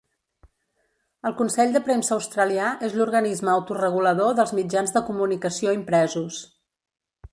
El consell de premsa australià és l'organisme autoregulador dels mitjans de comunicació impresos.